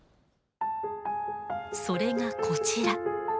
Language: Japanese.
それがこちら。